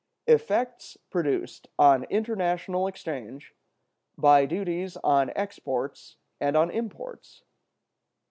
§ 6. Effects produced on international Exchange by Duties on Exports and on Imports.